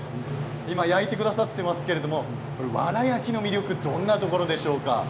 今、焼いてくださっていますけどわら焼きの魅力どんなところですか？